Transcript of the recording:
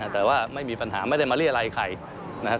แต่ว่าไม่มีปัญหาไม่ได้มาเรียกอะไรให้ใคร